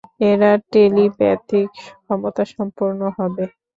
এরা টেলিপ্যাথিক ক্ষমতাসম্পন্ন হবে।